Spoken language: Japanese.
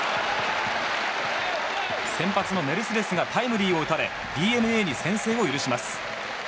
先発のメルセデスがタイムリーを打たれＤｅＮＡに先制を許します。